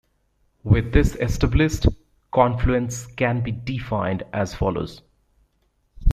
With this established, confluence can be defined as follows.